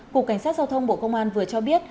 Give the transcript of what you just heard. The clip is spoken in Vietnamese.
cục cảnh sát giao thông bộ công an vừa cho biết